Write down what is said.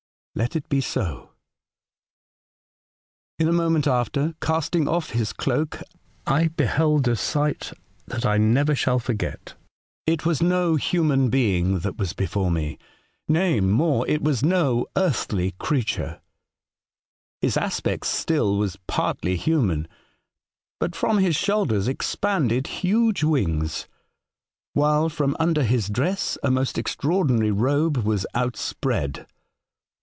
' Let it be so !' In a moment after, casting off his cloak, I beheld a sight that I never shall forget. E 2 62 A Voyage to Other Worlds, It was no human being that was before me ; nay, more, it was no earthly creature. His aspect still was partly human ; but from his shoulders expanded huge wings, while from under his dress a most extraordinary robe was outspread.